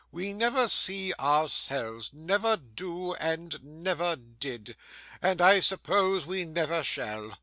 We never see ourselves never do, and never did and I suppose we never shall.